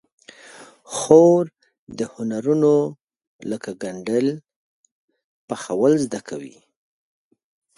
خور د هنرونو لکه ګنډل، پخول زده کوي.